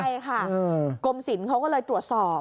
ใช่ค่ะอือกรมสินเขาก็เลยตรวจสอบ